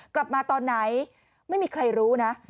กลับมาตอนไหนไม่มีใครรู้นะ